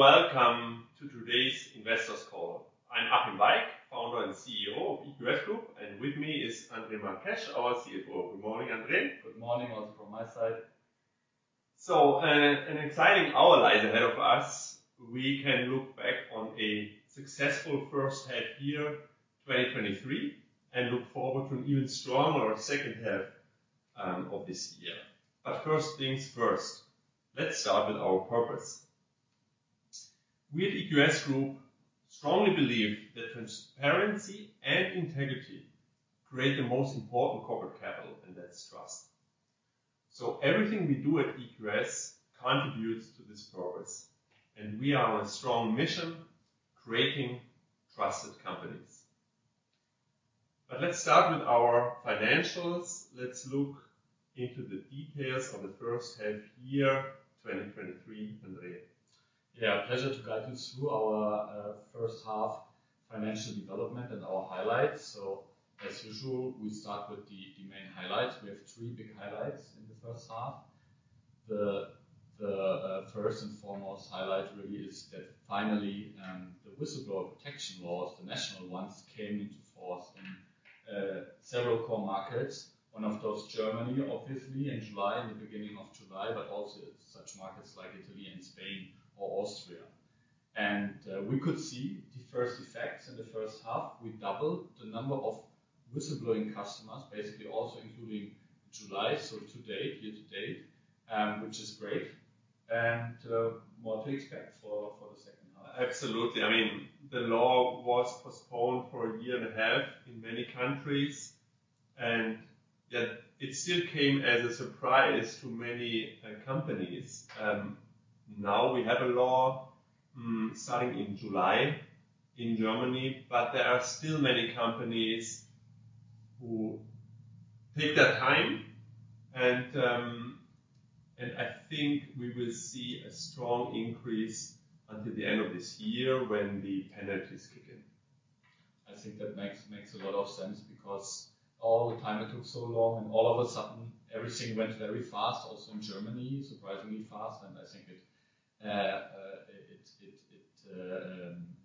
A warm welcome to today's investors call. I'm Achim Weick, Founder and CEO of EQS Group, and with me is André Marques, our CFO. Good morning, André. Good morning also from my side. An exciting hour lies ahead of us. We can look back on a successful first half year, 2023, and look forward to an even stronger second half of this year. First things first, let's start with our purpose. We at EQS Group strongly believe that transparency and integrity create the most important corporate capital, and that's trust. Everything we do at EQS contributes to this purpose, and we are on a strong mission, creating trusted companies. Let's start with our financials. Let's look into the details of the first half year, 2023, André. Pleasure to guide you through our first half financial development and our highlights. As usual, we start with the main highlights. We have three big highlights in the first half. The first and foremost highlight really is that finally, the Whistleblower Protection Law, the national ones, came into force in several core markets. One of those, Germany, obviously in July, in the beginning of July, but also such markets like Italy and Spain or Austria. We could see the first effects in the first half. We doubled the number of whistleblowing customers, basically also including July, so to date, year to date, which is great and more to expect for the second half. Absolutely. The law was postponed for a year and a half in many countries, and yet it still came as a surprise to many companies. Now we have a law, starting in July in Germany, but there are still many companies who take their time and I think we will see a strong increase until the end of this year when the penalties kick in. I think that makes, makes a lot of sense because all the time it took so long, and all of a sudden everything went very fast, also in Germany, surprisingly fast, and I think it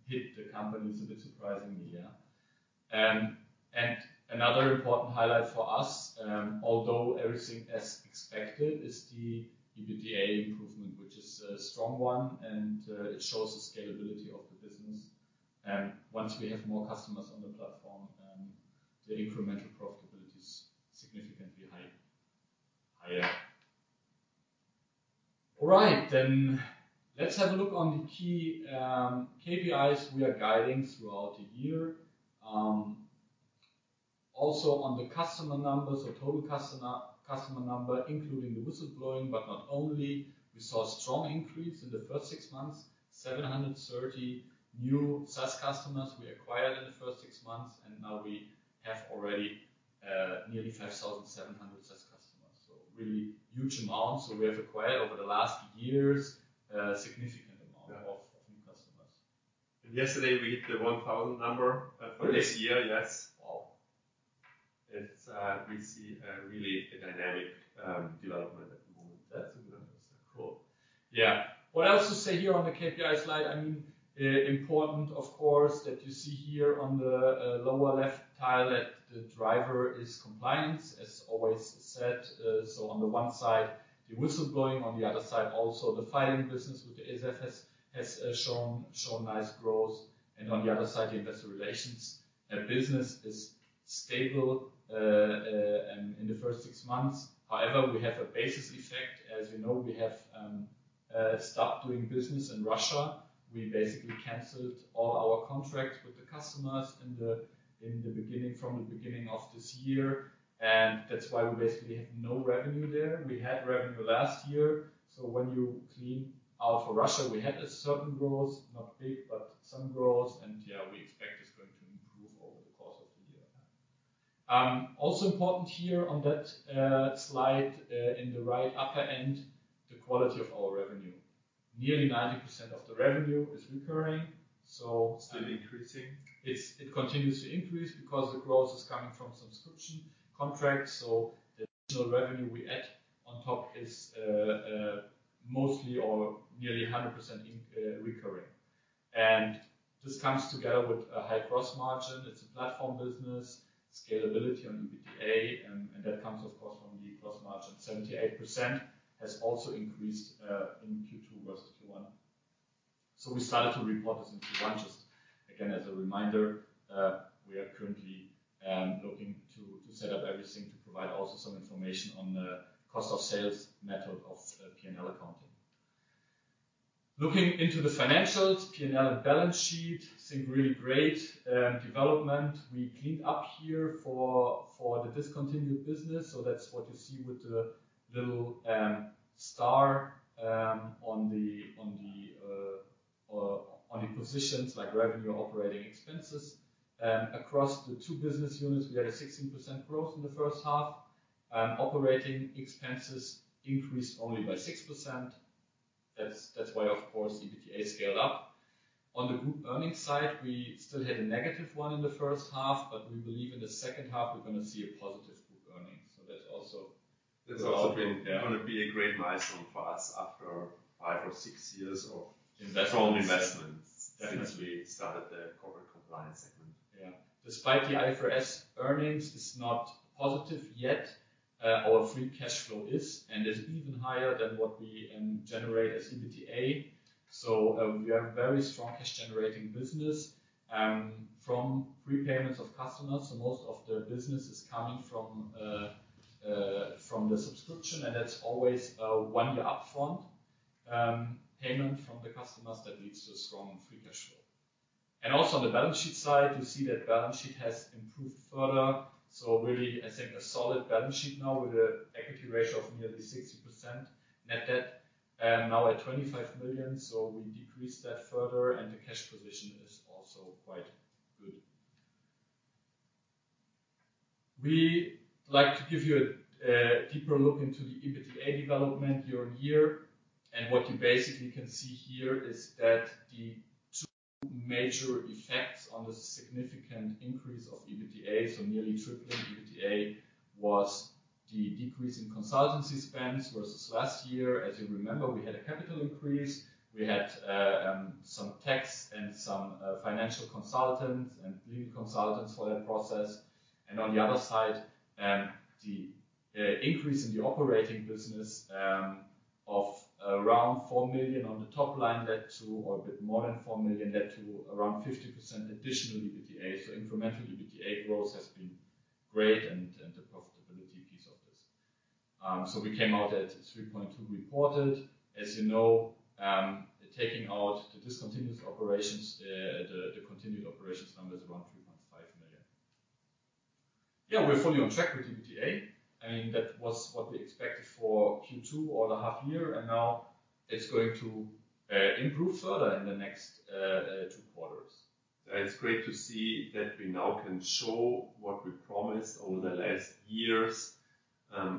hit the companies a bit surprisingly. Another important highlight for us, although everything as expected, is the EBITDA improvement, which is a strong one, and it shows the scalability of the business. Once we have more customers on the platform, the incremental profitability is significantly higher. All right, let's have a look on the key KPIs we are guiding throughout the year. Also on the customer numbers, the total customer, customer number, including the whistleblowing, but not only, we saw a strong increase in the first six months, 730 new SaaS customers we acquired in the first six months. Now we have already, nearly 5,700 SaaS customers. Really huge amounts that we have acquired over the last years, significant amount of new customers. Yesterday, we hit the 1,000 number, for this year. Yes. Wow! It's we see really a dynamic development at the moment. That's cool. What else to say here on the KPI slide? I mean, important that you see here on the lower left tile, that the driver is compliance, as always said. On the one side, the whistleblowing, on the other side, also the filing business with the ESEF has shown nice growth, and on the other side, the investor relations. Our business is stable in the first six months. However, we have a basis effect. As you know, we have stopped doing business in Russia. We basically canceled all our contracts with the customers from the beginning of this year, and that's why we basically have no revenue there. We had revenue last year, when you clean out for Russia, we had a certain growth. Not big, but some growth, and, we expect it's going to improve over the course of the year. Also important here on that slide in the right upper end, the quality of our revenue. Nearly 90% of the revenue is still increasing Revenue is recurring It's continues to increase because the growth is coming from subscription contracts, so the additional revenue we add on top is mostly or nearly 100% recurring. This comes together with a high gross margin. It's a platform business, scalability on EBITDA, and that comes from the gross margin. 78% has also increased in Q2 versus Q1. We started to report this in Q1. Just again, as a reminder, we are currently looking to set up everything to provide also some information on the cost of sales method of P&L accounting. Looking into the financials, P&L, and balance sheet, seeing really great development. We cleaned up here for the discontinued business, that's what you see with the little star on the positions like revenue, operating expenses. Across the two business units, we had a 16% growth in the first half, operating expenses increased only by 6%. That's, that's why EBITDA scaled up. On the group earnings side, we still had a negative one in the first half, but we believe in the second half, we're gonna see a positive group earnings. That's also- Gonna be a great milestone for us after 5 or 6 years of investment. Strong investment. Since we started the corporate compliance segment. Despite the IFRS, earnings is not positive yet, our free cash flow is even higher than what we generate as EBITDA. We have very strong cash-generating business from prepayments of customers. Most of the business is coming from the subscription, and that's always a one-year upfront payment from the customers that leads to a strong free cash flow. Also on the balance sheet side, you see that balance sheet has improved further. Really, I think a solid balance sheet now with a equity ratio of nearly 60%. Net debt, now at 25 million, so we decreased that further, and the cash position is also quite good. We like to give you a deeper look into the EBITDA development year-on-year. What you basically can see here is that the two major effects on the significant increase of EBITDA, so nearly tripling EBITDA, was the decrease in consultancy spends versus last year. As you remember, we had a capital increase. We had some tax and some financial consultants and legal consultants for that process. On the other side, the increase in the operating business of around 4 million on the top line, that too, or a bit more than 4 million, led to around 50% additional EBITDA. Incremental EBITDA growth has been great and, and the profitability piece of this. We came out at 3.2 million reported. As you know, taking out the discontinued operations, the continued operations number is around EUR 3.5 million. We're fully on track with EBITDA. That was what we expected for Q2 or the half year. Now it's going to improve further in the next two quarters. It's great to see that we now can show what we promised over the last years.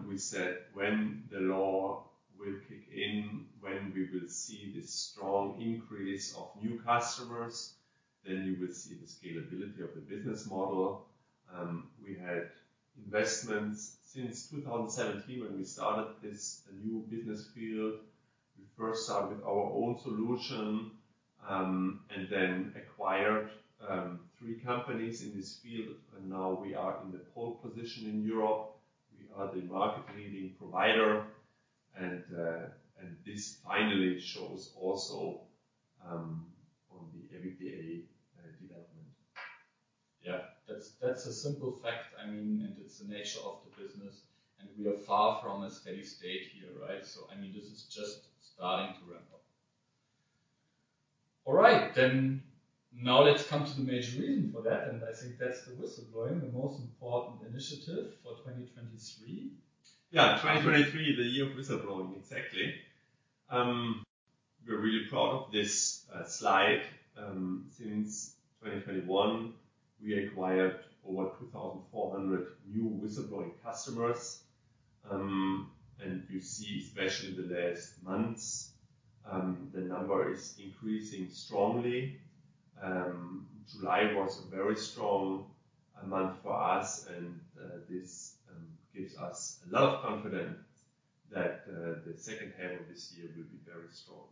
We said when the law will kick in, when we will see this strong increase of new customers, then you will see the scalability of the business model. We had investments since 2017 when we started this new business field. We first started with our own solution, and then acquired three companies in this field, and now we are in the pole position in Europe. We are the market-leading provider. This finally shows also on the EBITDA development. That's a simple fact. I mean, it's the nature of the business, and we are far from a steady state here, right? I mean, this is just starting to ramp up. All right, then now let's come to the major reason for that, and I think that's the whistleblowing, the most important initiative for 2023. 2023, the year of whistleblowing. Exactly. We're really proud of this slide. Since 2021, we acquired over 2,400 new whistleblowing customers. You see, especially in the last months, the number is increasing strongly. July was a very strong month for us, and this gives us a lot of confidence that the second half of this year will be very strong.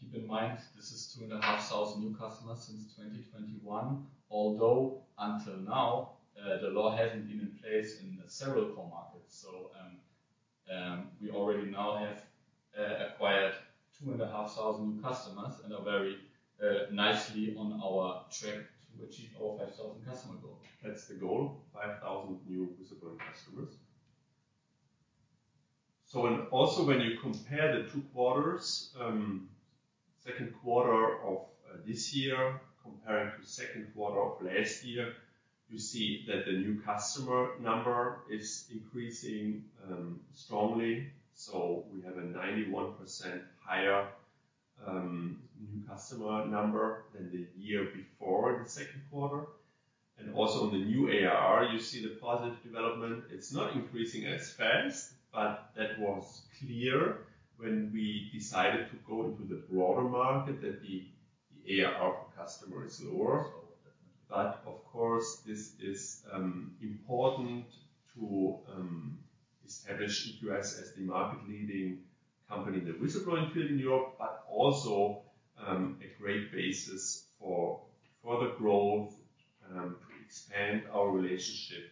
Keep in mind, this is 2,500 new customers since 2021, although until now, the law hasn't been in place in several core markets. We already now have acquired 2,500 new customers and are very nicely on our track to achieve our 5,000 customer goal. That's the goal, 5,000 new whistleblowing customers. When you compare the 2 quarters, 2Q of 2023 comparing to 2Q of 2022, you see that the new customer number is increasing strongly. We have a 91% higher new customer number than 2022 in the 2Q. On the new ARR, you see the positive development. It's not increasing as fast, but that was clear when we decided to go into the broader market, that the ARR per customer is lower. This is important to establish us as the market-leading company in the whistleblowing field in Europe, but also a great basis for further growth to expand our relationship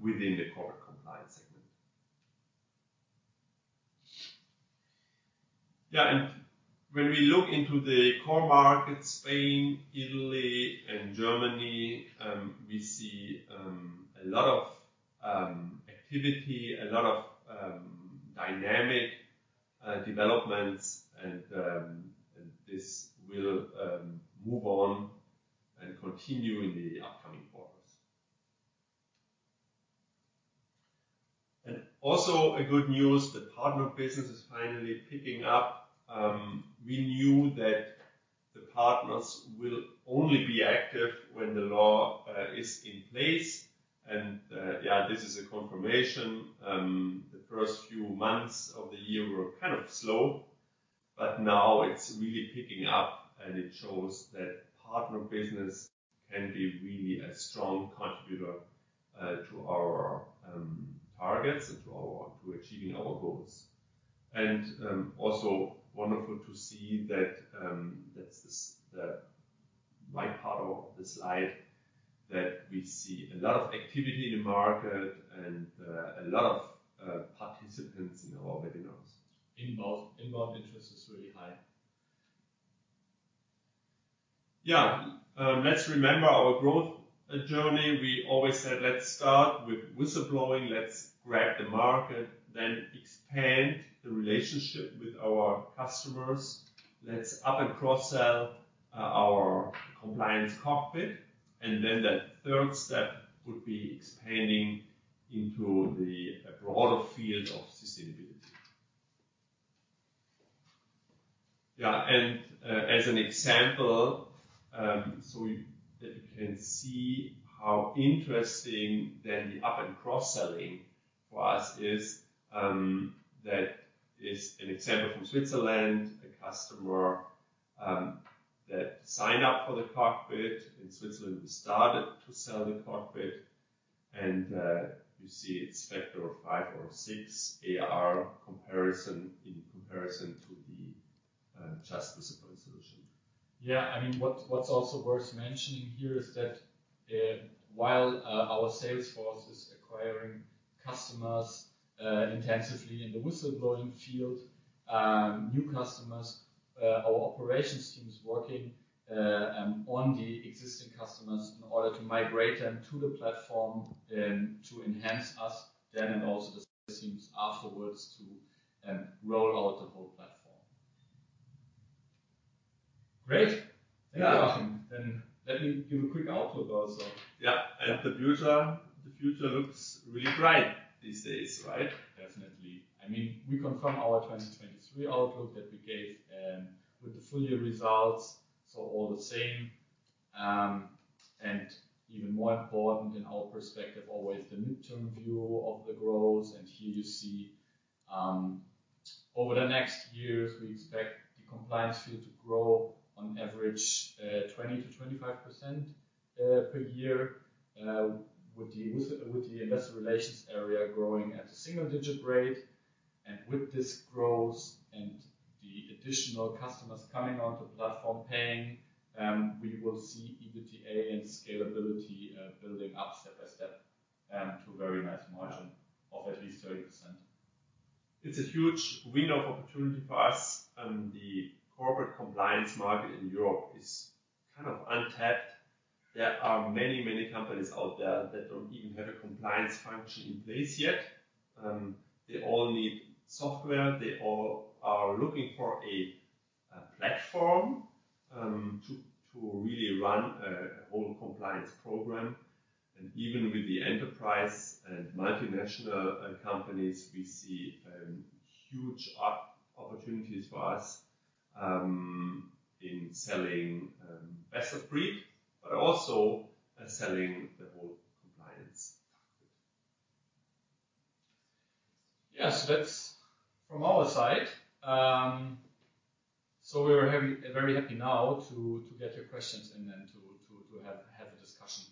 within the corporate compliance segment. When we look into the core markets, Spain, Italy, and Germany, we see a lot of activity, a lot of dynamic developments, and this will move on and continue in the upcoming quarters. Also a good news, the partner business is finally picking up. We knew that the partners will only be active when the law is in place. This is a confirmation. The first few months of the year were slow, but now it's really picking up, and it shows that partner business can be really a strong contributor to our targets and to achieving our goals and also wonderful to see that the right part of the slide, that we see a lot of activity in the market and, a lot of, participants in our webinars. Inbound interest is really high. Let's remember our growth journey. We always said, "Let's start with whistleblowing. Let's grab the market, then expand the relationship with our customers. Let's up and cross-sell our Compliance COCKPIT." Then that third step would be expanding into the broader field of sustainability. As an example, so that you can see how interesting then the up- and cross-selling for us is, that is an example from Switzerland, a customer that signed up for the Cockpit. In Switzerland, we started to sell the Cockpit, and you see it's factor of five or six ARR in comparison to the just the simple solution. What's also worth mentioning here is that, while our sales force is acquiring customers, intensively in the whistleblowing field, new customers, our operations team is working on the existing customers in order to migrate them to the platform, to enhance us then, and also the sales teams afterwards to, roll out the whole platform. Great! Thank you, Achim. Let me give a quick outlook also. The future looks really bright these days, right? Definitely. We confirm our 2023 outlook that we gave, with the full year results, so all the same. Even more important in our perspective, always the midterm view of the growth. Here you see, over the next years, we expect the compliance field to grow on average, 20%-25% per year, with the investor relations area growing at a single-digit rate. With this growth and the additional customers coming onto the platform, paying, we will see EBITDA and scalability, building up step by step, to a very nice margin of at least 30%. It's a huge window of opportunity for us. The corporate compliance market in Europe is untapped. There are many, many companies out there that don't even have a compliance function in place yet. They all need software. They all are looking for a platform to really run a whole compliance program. Even with the enterprise and multinational companies, we see huge opportunities for us in selling best of breed, but also selling the whole Compliance COCKPIT. Yes, that's from our side. We are very, very happy now to get your questions and then to have a discussion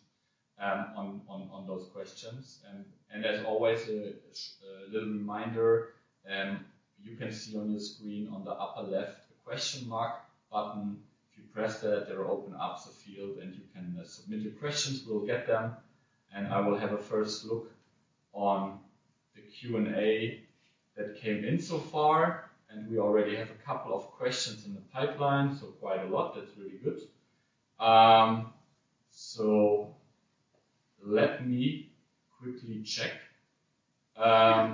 on those questions. As always, a little reminder, you can see on your screen on the upper left, a question mark button. If you press that, it will open up the field, and you can submit your questions. We'll get them, and I will have a first look on the Q&A that came in so far, and we already have a couple of questions in the pipeline, so quite a lot. That's really good. Let me quickly check. Let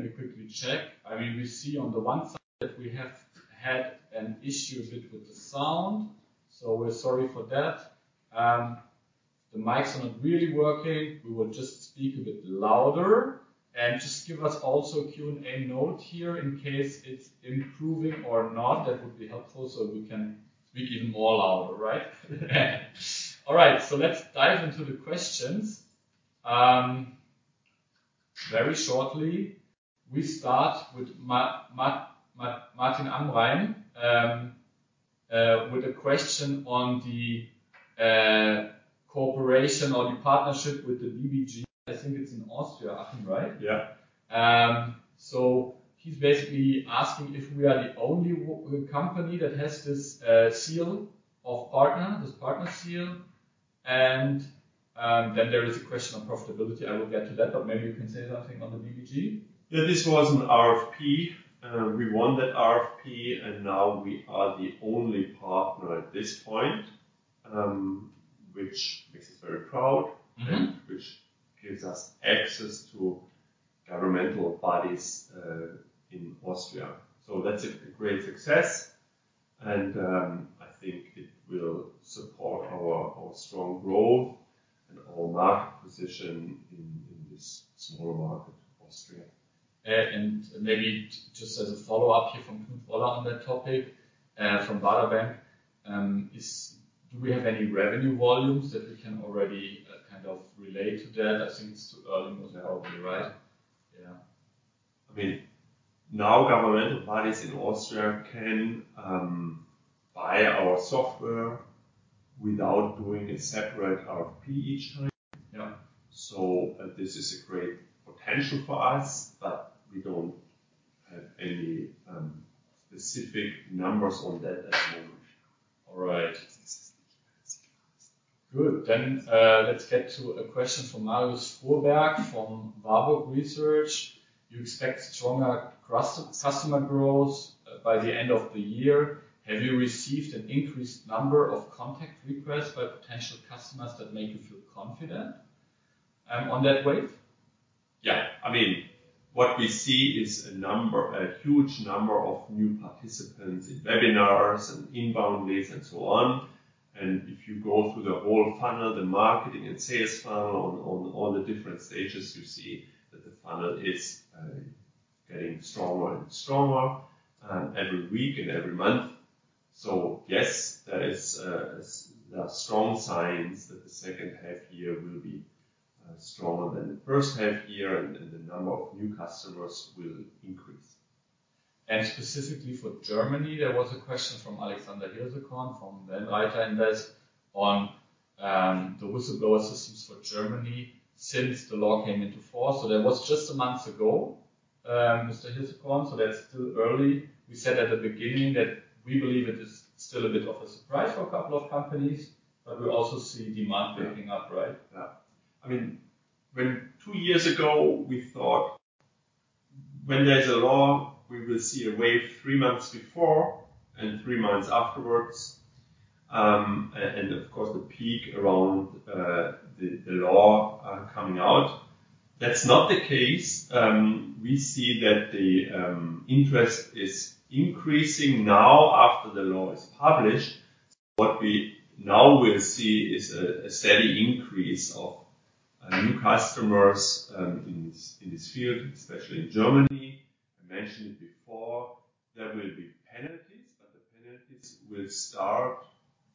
me quickly check. I mean, we see on the one side that we have had an issue a bit with the sound, so we're sorry for that. The mics are not really working. We will just speak a bit louder and just give us also a Q&A note here in case it's improving or not. That would be helpful, so we can speak even more louder, right? All right, let's dive into the questions. Very shortly, we start with Martin Amrein, with a question on the cooperation or the partnership with the BBG. I think it's in Austria, Achim, right? Yes He's basically asking if we are the only company that has this seal of partner, this partner seal, and then there is a question on profitability. I will get to that, but maybe you can say something on the BBG. This was an RFP, and we won that RFP, and now we are the only partner at this point, which makes us very proud and which gives us access to governmental bodies in Austria. That's a great success, and I think it will support our, our strong growth and our market position in small market, Austria. Maybe just as a follow-up here from Paula on that topic, from Baader Bank, is do we have any revenue volumes that we can already relate to that? I think it's too early, right? Now governmental parties in Austria can buy our software without doing a separate RFP each time. This is a great potential for us, but we don't have any specific numbers on that at the moment. All right. Good. Let's get to a question from Marius Fuhrberg from Warburg Research. You expect stronger customer growth by the end of the year. Have you received an increased number of contact requests by potential customers that make you feel confident on that wave? What we see is a number, a huge number of new participants in webinars and inbound leads and so on. If you go through the whole funnel, the marketing and sales funnel on all the different stages, you see that the funnel is getting stronger and stronger every week and every month. Yes, there are strong signs that the second half year will be stronger than the first half year, and the number of new customers will increase. Specifically for Germany, there was a question from Alexander on the whistleblower systems for Germany since the law came into force. That was just one month ago, Mr. Hilzekron, that's too early. We said at the beginning that we believe it is still a bit of a surprise for 2 companies, but we also see demand picking up, right? When 2 years ago, we thought when there's a law, we will see a wave three months before and three months afterwards, and the law, coming out. That's not the case. We see that the, interest is increasing now after the law is published. What we now will see is a steady increase of, new customers in this field, especially in Germany. I mentioned it before, there will be penalties, but the penalties will start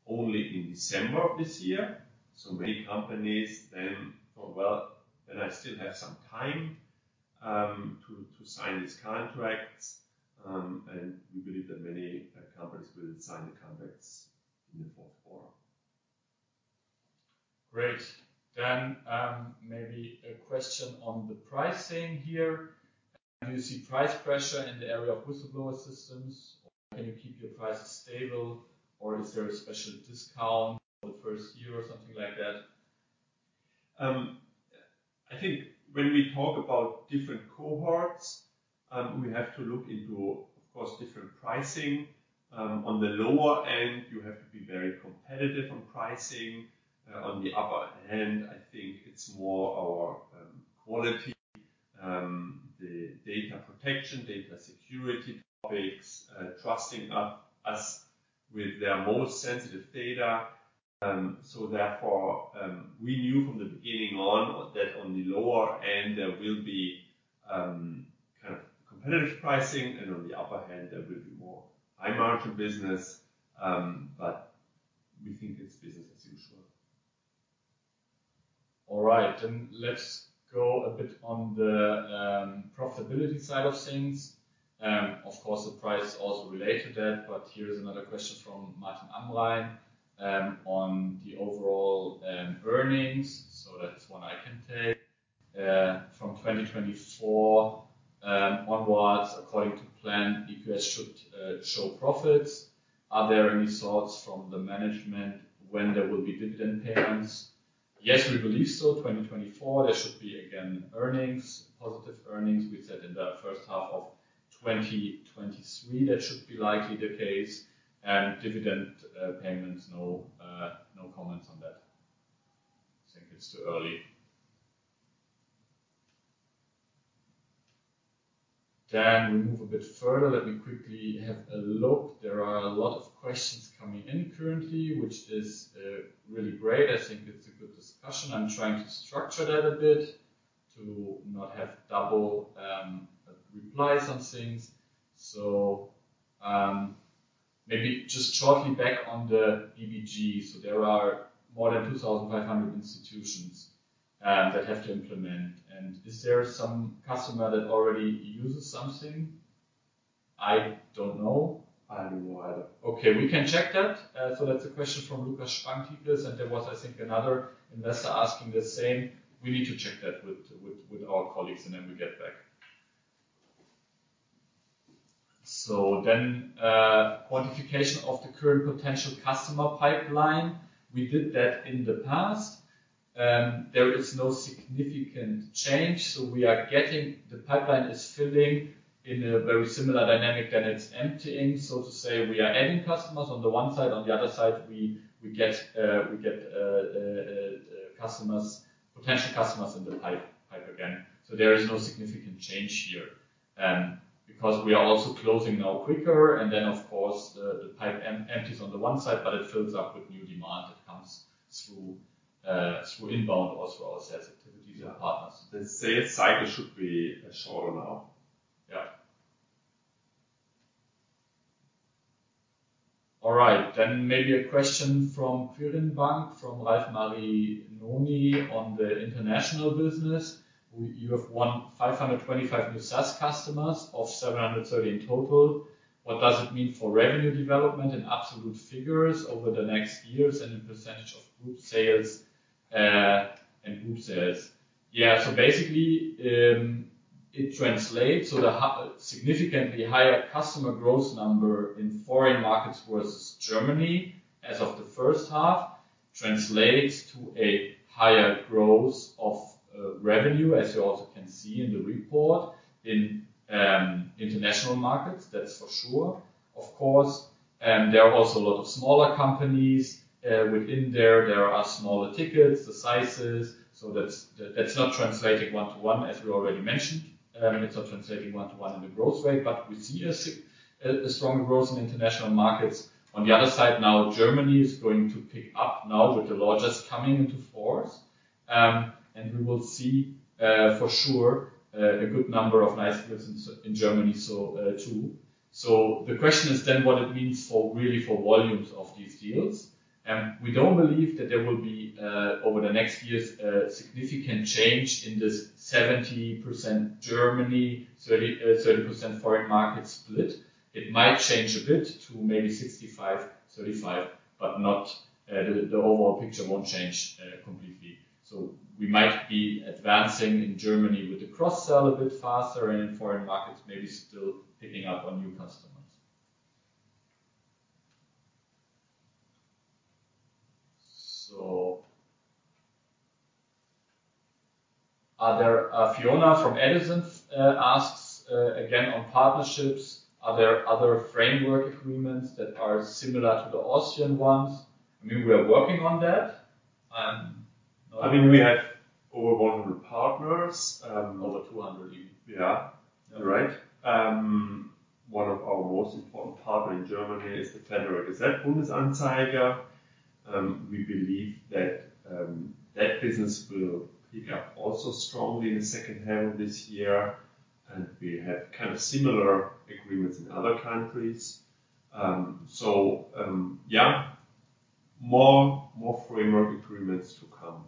only in December of this year. Many companies then thought, "Well, then I still have some time to sign these contracts." We believe that many, companies will sign the contracts in the fourth quarter. Great. Maybe a question on the pricing here. Do you see price pressure in the area of whistleblower systems, or can you keep your prices stable, or is there a special discount for the first year or something like that? When we talk about different cohorts, we have to look into different pricing. On the lower end, you have to be very competitive on pricing. On the upper end, I think it's more our quality, the data protection, data security topics, trusting us, us with their most sensitive data. Therefore, we knew from the beginning on that on the lower end, there will be competitive pricing, and on the upper end, there will be more high-margin business. We think it's business as usual. All right, then let's go a bit on the profitability side of things. The price is also related to that, but here is another question from Martin Amrein on the overall earnings. That's one I can take. From 2024 onwards, according to plan, EQS should show profits. Are there any thoughts from the management when there will be dividend payments? Yes, we believe so. 2024, there should be again, earnings, positive earnings. We said in the first half of 2023, that should be likely the case. Dividend payments, no, no comments on that. I think it's too early. We move a bit further. Let me quickly have a look. There are a lot of questions coming in currently, which is really great. I think it's a good discussion. I'm trying to structure that a bit to not have double replies on things. Maybe just shortly back on the BBG. There are more than 2,500 institutions that have to implement, and is there some customer that already uses something? I don't know. I don't know either. We can check that. That's a question from Lucas and there was another investor asking the same. We need to check that with our colleagues, and then we get back. Quantification of the current potential customer pipeline. We did that in the past. There is no significant change, so we are getting the pipeline is filling in a very similar dynamic, and it's emptying. To say, we are adding customers on the one side, on the other side, we get customers, potential customers in the pipe again. There is no significant change here, because we are also closing now quicker and then the pipe empties on the one side, but it fills up with new demand that comes through inbound or through our sales activities or partners. The sales cycle should be shorter now. Maybe a question from Fidun Bank from Ralf Marinelli on the international business. You have won 525 new SaaS customers of 730 in total. What does it mean for revenue development in absolute figures over the next years and in percentage of group sales and group sales? It translates significantly higher customer growth number in foreign markets versus Germany, as of the first half, translates to a higher growth of revenue, as you also can see in the report, in international markets, that's for sure. There are also a lot of smaller companies within there. There are smaller tickets, the sizes, so that's, that's not translating one to one, as we already mentioned. It's not translating 1 to 1 in the growth rate, but we see a strong growth in international markets. On the other side now, Germany is going to pick up now with the largest coming into force, and we will see for sure a good number of nice business in Germany, so too. The question is then what it means for really for volumes of these deals? We don't believe that there will be over the next years, a significant change in this 70% Germany, 30% foreign market split. It might change a bit to maybe 65-35, but not the overall picture won't change completely. We might be advancing in Germany with the cross-sell a bit faster, and in foreign markets, maybe still picking up on new customers. Fiona from Edison asks again on partnerships: Are there other framework agreements that are similar to the Austrian ones? I mean, we are working on that. We have over 100 partners. Over 200. You're right. One of our most important partner in Germany is the Federal Gazette Bundesanzeiger. We believe that business will pick up also strongly in the second half of this year, and we have similar agreements in other countries. More framework agreements to come.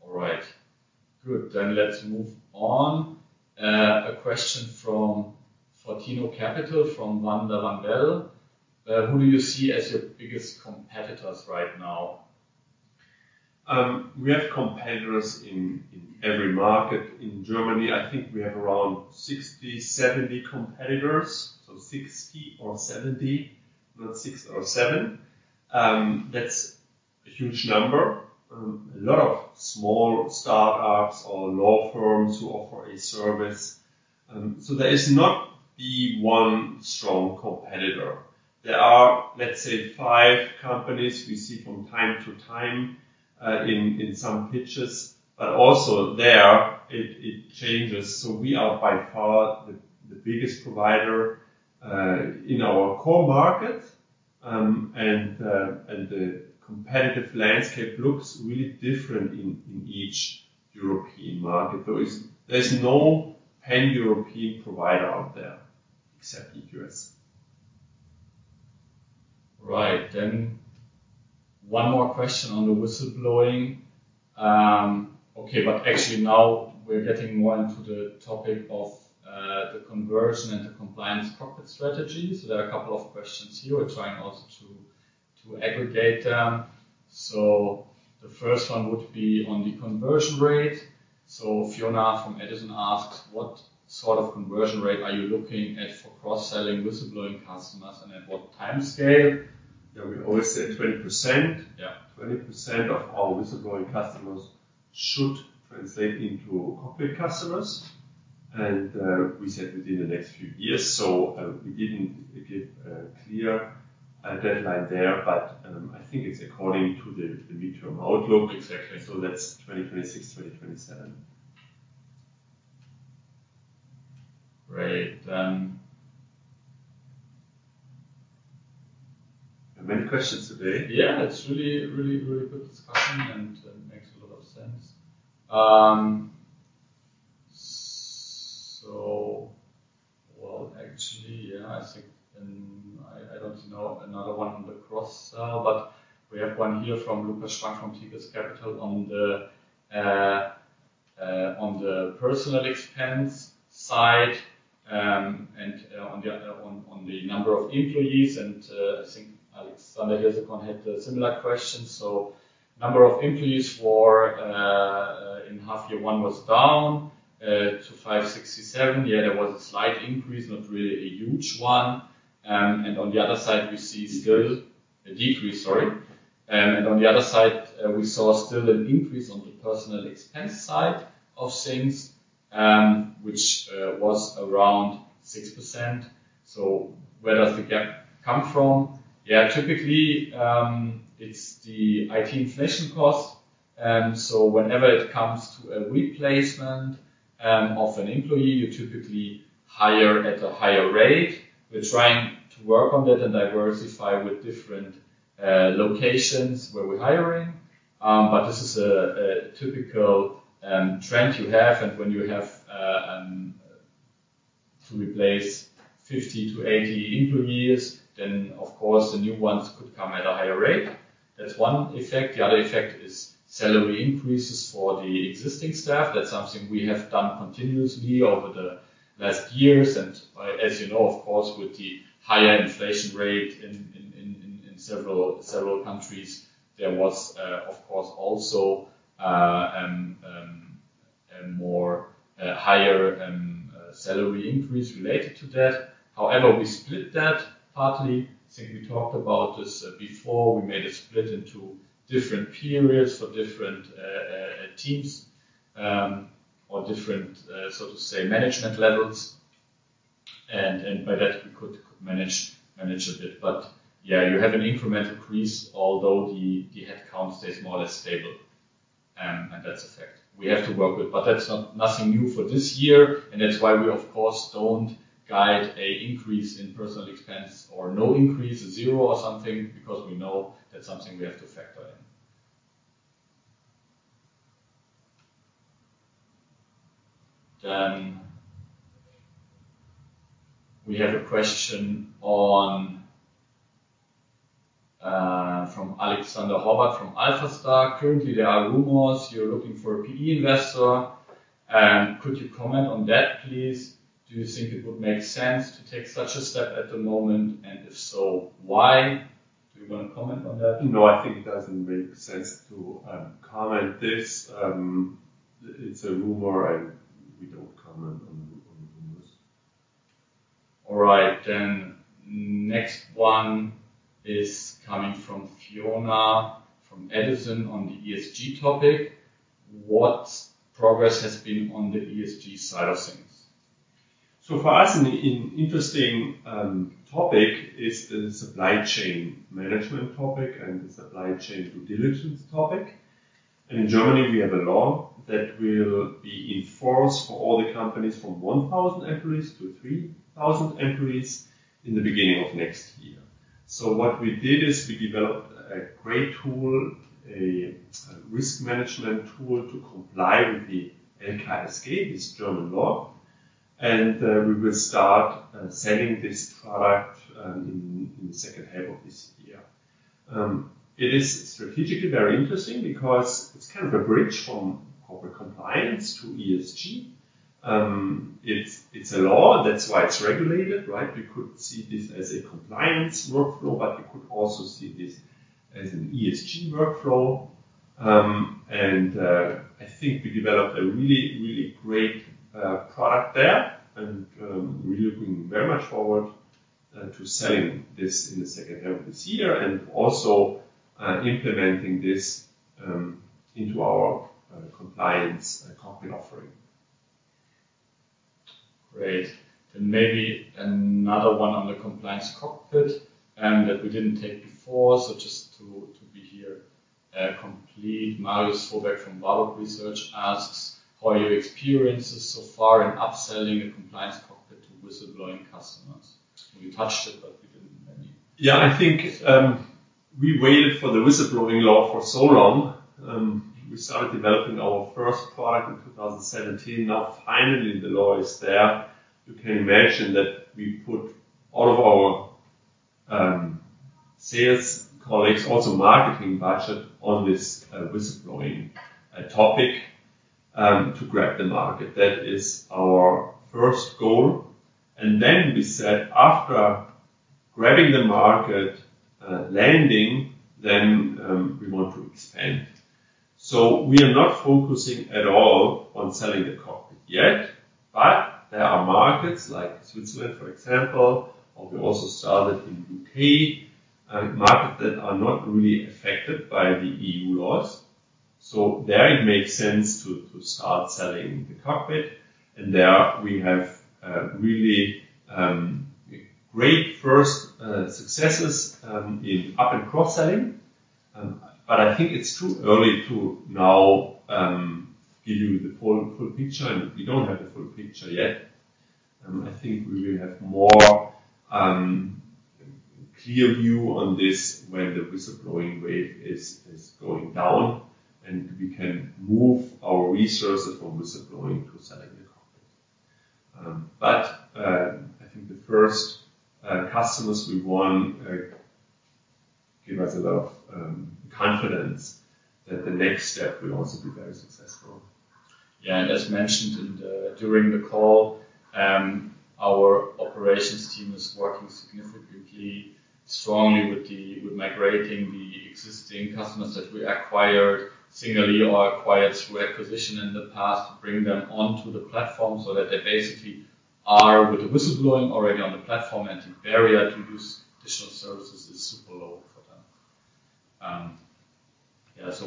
All right. Good, let's move on. A question from Fortino Capital, from Wouter van de. Who do you see as your biggest competitors right now? We have competitors in every market. In Germany, I think we have around 60, 70 competitors. 60 or 70, not six or seven. That's a huge number. A lot of small startups or law firms who offer a service, so there is not the one strong competitor. There are, let's say, five companies we see from time to time in some pitches, but also there it changes. We are by far the biggest provider, in our core market and the competitive landscape looks really different in each European market. There's no pan-European provider out there, except EQS. Right. One more question on the whistleblowing. Okay, actually now we're getting more into the topic of the conversion and the compliance corporate strategy. There are a couple of questions here. We're trying also to aggregate them. The first one would be on the conversion rate. Fiona from Edison asked what conversion rate are you looking at for cross-selling whistleblowing customers, and at what time scale? We always say 20% of our whistleblowing customers should translate into corporate customers, and we said within the next few years, so we didn't give a clear deadline there, but I think it's according to the midterm outlook that's 2026, 2027. Great. Many questions today. It's really good discussion, and it makes a lot of sense. Actually, I think, I don't know another one on the cross-sell, but we have one here from Lucas Spang from TIGAS Capital, on the personal expense side, and on the number of employees, and I think Alexander Jeschonek had a similar question. Number of employees for in half year 1 was down to 567. There was a slight increase, not really a huge one, and on the other side, we saw still an increase on the personal expense side of things, which was around 6%. Where does the gap come from? Typically, it's the IT inflation costs. So whenever it comes to a replacement of an employee, you typically hire at a higher rate. We're trying to work on that and diversify with different locations where we're hiring. But this is a typical trend you have, and when you have to replace 50-80 employees, then the new ones could come at a higher rate. That's one effect. The other effect is salary increases for the existing staff. That's something we have done continuously over the last years, and as you know, with the higher inflation rate in several countries, there was more higher salary increase related to that. However, we split that partly. I think we talked about this before we made a split into different periods for different teams or different so to say, management levels. By that we could manage, manage a bit. You have an incremental increase, although the headcount stays more or less stable, and that's a fact we have to work with. That's not nothing new for this year, and that's why we don't guide a increase in personnel expense or no increase, zero or something, because we know that's something we have to factor in. We have a question from Alexander Hobart, from Alpha Star. "Currently, there are rumors you're looking for a PE investor. Could you comment on that, please? Do you think it would make sense to take such a step at the moment, and if so, why?" Do you wanna comment on that? No, I think it doesn't make sense to comment this. It's a rumor, and we don't comment on rumors. All right, next one is coming from Fiona, from Edison, on the ESG topic. What progress has been on the ESG side of things? For us, an interesting topic is the supply chain management topic and the supply chain due diligence topic. In Germany, we have a law that will be in force for all the companies from 1,000 employees to 3,000 employees in the beginning of next year. What we did is we developed a great tool, a risk management tool to comply with the LkSG, this German law, and we will start selling this product in the second half of this year. It is strategically very interesting because it's a bridge from corporate compliance to ESG. It's a law, that's why it's regulated, right? We could see this as a compliance workflow, but we could also see this as an ESG workflow. I think we developed a really great product there, and we're looking very much forward to selling this in the second half of this year, and also implementing this into our Compliance COCKPIT offering. Great. Maybe another one on the Compliance COCKPIT, and that we didn't take before, so just to be here, complete. Marius Fuhrberg from Warburg Research asks how your experience is so far in upselling a Compliance COCKPIT to whistleblowing customers. We touched it, but we didn't, I mean. We waited for the Whistleblowing Law for so long. We started developing our first product in 2017. Now, finally, the law is there. You can imagine that we put all of our sales colleagues, also marketing budget, on this whistleblowing topic, to grab the market. That is our first goal. Then we said, after grabbing the market, landing then we want to expand. We are not focusing at all on selling the Cockpit yet, but there are markets like Switzerland, for example, or we also started in U.K., markets that are not really affected by the EU laws. There it makes sense to start selling the Cockpit, and there we have really great first successes in up- and cross-selling. It's too early to now give you the full picture, and we don't have the full picture yet. I think we will have more clear view on this when the whistleblowing wave is going down, and we can move our resources from whistleblowing to selling the Cockpit. I think the first customers we won give us a lot of confidence that the next step will also be very successful. As mentioned during the call, our operations team is working significantly strongly with migrating the existing customers that we acquired singly or acquired through acquisition in the past, to bring them onto the platform, so that they basically are, with the whistleblowing, already on the platform, and the barrier to use additional services is super low for them.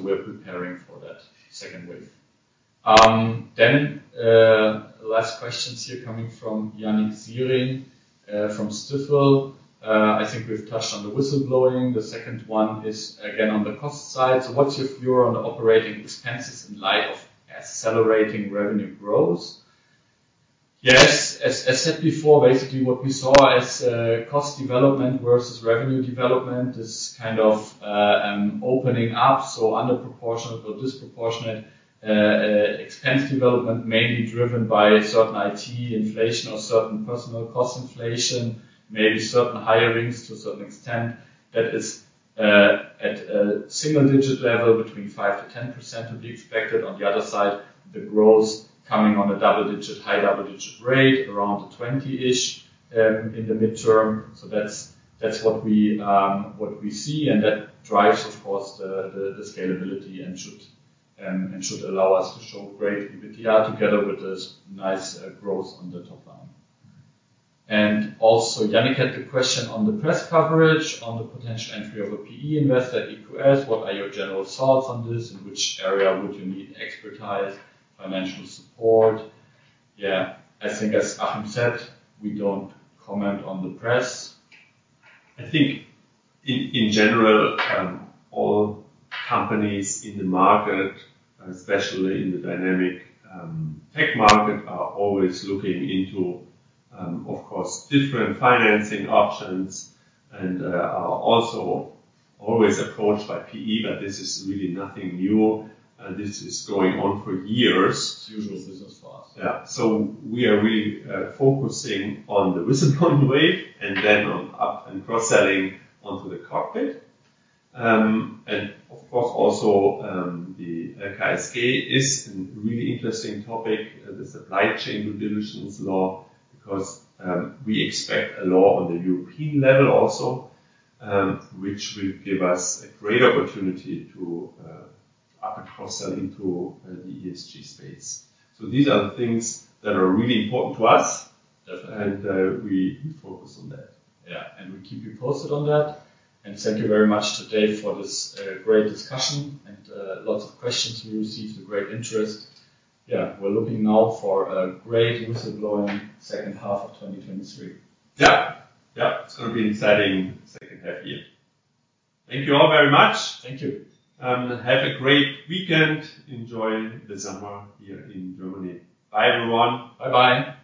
We're preparing for that. Can wait. Last questions here coming from Yannik Ziron from Stifel. I think we've touched on the whistleblowing. The second one is again, on the cost side. What's your view on the operating expenses in light of accelerating revenue growth? Yes, as said before, basically what we saw as, cost development versus revenue development is opening up, so under proportionate or disproportionate, expense development, mainly driven by certain IT inflation or certain personal cost inflation, maybe certain hirings to a certain extent. That is, at a single-digit level, between 5%-10% will be expected. On the other side, the growth coming on a double-digit, high double-digit rate, around 20-ish, in the midterm. That's, what we see, and that drives the scalability and should, and should allow us to show great EBITDA together with this nice, growth on the top line. Also, Yannick had the question on the press coverage, on the potential entry of a PE investor. EQS, what are your general thoughts on this? In which area would you need expertise, financial support? I think as Achim said, we don't comment on the press. In general, all companies in the market, especially in the dynamic, tech market, are always looking into different financing options and, are also always approached by PE, but this is really nothing new, and this is going on for years. It's usual business for us. We are really focusing on the whistleblowing wave and then on up- and cross-selling onto the cockpit and also, the LkSG is a really interesting topic, the supply chain due diligence law, because we expect a law on the European level also, which will give us a great opportunity to up- and cross-sell into the ESG space. These are the things that are really important to us and we focus on that. Definitely. We'll keep you posted on that. Thank you very much today for this great discussion and lots of questions we received, a great interest. We're looking now for a great whistleblowing second half of 2023. It's gonna be an exciting second half year. Thank you all very much. Thank you. Have a great weekend. Enjoy the summer here in Germany. Bye, everyone. Bye-bye.